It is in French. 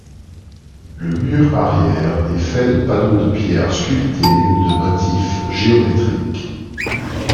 Le mur arrière est fait de panneaux de pierre sculptée de motifs géométriques.